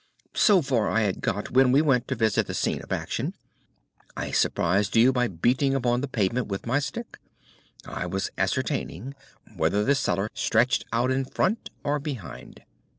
"So far I had got when we went to visit the scene of action. I surprised you by beating upon the pavement with my stick. I was ascertaining whether the cellar stretched out in front or behind.